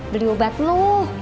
beli obat lu